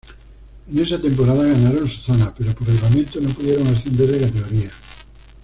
En esa temporada ganaron su Zona, pero por reglamento no pudieron ascender de categoría.